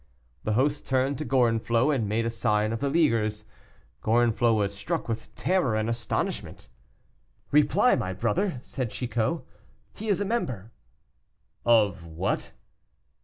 The host turned to Gorenflot, and made a sign of the leaguers. Gorenflot was struck with terror and astonishment. "Reply, my brother," said Chicot; "he is a member." "Of what?"